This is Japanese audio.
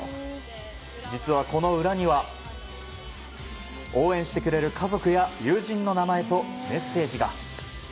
実はこの裏には応援してくれる家族や友人の名前とメッセージが。